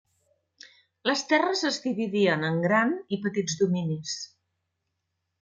Les terres es dividien en gran i petits dominis.